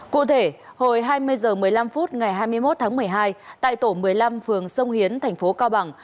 cụ thể hồi hai mươi h một mươi năm phút ngày hai mươi một tháng một mươi hai tại tổ một mươi năm phường sông hiến thành phố cao bằng